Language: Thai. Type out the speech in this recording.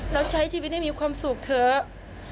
เราใช้ชีวิตให้มีความสุขเถอะ